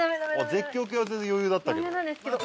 ◆絶叫系は、全然余裕だったけど。